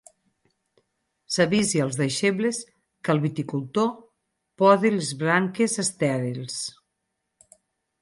S'avisa als deixebles que el viticultor poda les branques estèrils.